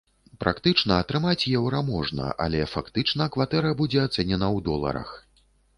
Практычна атрымаць еўра можна, але фактычна кватэра будзе ацэнена ў доларах.